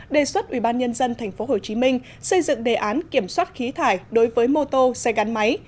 đề xuất ubnd tp hcm xây dựng đề án kiểm soát khí thải đối với mô tô xe gắn máy